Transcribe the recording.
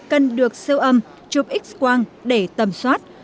cần được siêu âm chụp x quang để tầm soát